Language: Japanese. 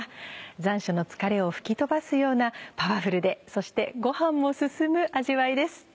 残暑の疲れを吹き飛ばすようなパワフルでそしてご飯も進む味わいです。